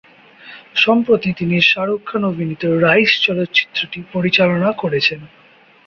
সম্প্রতি তিনি শাহরুখ খান অভিনীত "রইস" চলচ্চিত্রটি পরিচালনা করেছেন।